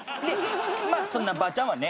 まっそんなばあちゃんはね